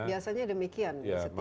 biasanya demikian setiap lima tahun